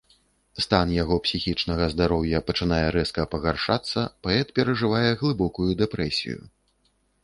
Стан яго псіхічнага здароўя пачынае рэзка пагаршацца, паэт перажывае глыбокую дэпрэсію.